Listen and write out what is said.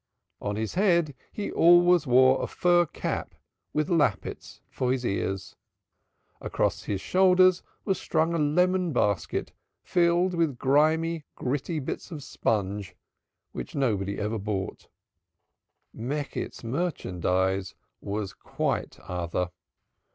On his head he always wore a fur cap with lappets for his ears. Across his shoulders was strung a lemon basket filled with grimy, gritty bits of sponge which nobody ever bought. Meckisch's merchandise was quite other.